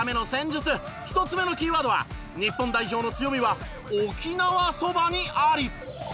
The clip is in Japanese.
１つ目のキーワードは「日本代表の強みは沖縄そばにあり！」。